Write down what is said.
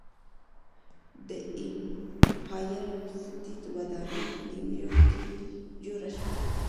د ایمپایر سټیټ ودانۍ په نیویارک کې جوړه شوه.